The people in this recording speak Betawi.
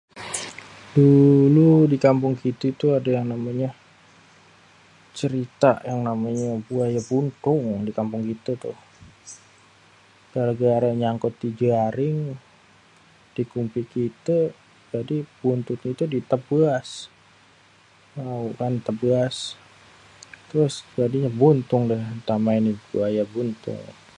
"Dulu di kampung kite tu ada yang namanya cerita yang namanya ""buaya buntung"" di kampung itu tuh, gara-gara nyangkut di jaring jadi buntutnya itu ditebas terus jadinya buntung dah, dinamain buaya buntung."